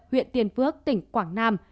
huyện tiền phước tỉnh quảng nam